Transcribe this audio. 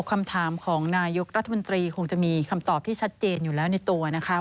คำถามของนายกรัฐมนตรีคงจะมีคำตอบที่ชัดเจนอยู่แล้วในตัวนะคะ